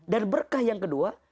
dan berkah yang kedua